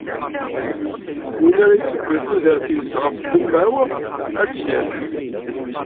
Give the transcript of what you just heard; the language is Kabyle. Win ara isebblen tudert-is ɣef ddemma-w, ad tt-yaf.